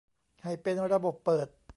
ให้เป็นระบบเปิด